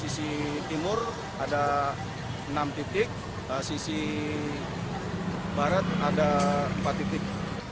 sisi timur ada enam titik sisi barat ada empat titik